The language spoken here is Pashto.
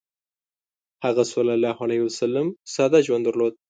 هغه ﷺ ساده ژوند درلود.